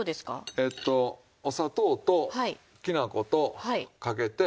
えとお砂糖ときな粉とかけて。